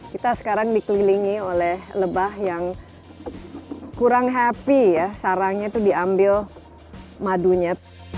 kita sekarang dikelilingi oleh lebah yang kurang happy ya sarangnya itu diambil madunya